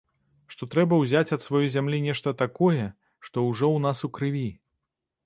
Што трэба ўзяць ад сваёй зямлі нешта такое, што ўжо ў нас у крыві.